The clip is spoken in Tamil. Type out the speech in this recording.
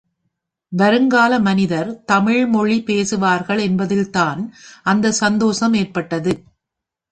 வருங்கால மனிதர் தமிழ் மொழி பேசுவார்கள் என்பதில்தான் அந்த சந்தோஷம் ஏற்பட்டது.